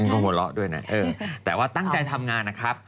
ก็หัวเราะด้วยนะแต่ว่าตั้งใจทำงานนะครับ